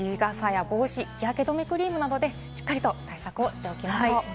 日傘や帽子、日焼け止めクリームなどでしっかりと対策をしておきましょう。